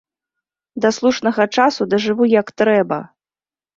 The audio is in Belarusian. Да слушнага часу дажыву як трэба!